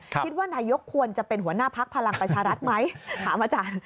คิดว่านายกควรจะเป็นหัวหน้าพักพลังประชารัฐไหมถามอาจารย์